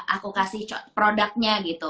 aku kasih produknya gitu